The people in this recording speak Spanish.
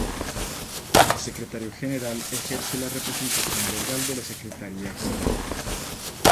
El Secretario General ejerce la representación legal de la Secretaría General.